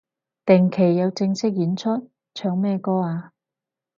定期有正式演出？唱咩歌啊